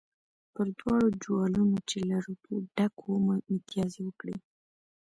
پر دواړو جوالونو چې له روپو ډک وو متیازې وکړې.